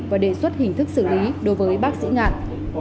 và đề xuất hình thức xử lý đối với bác sĩ ngạn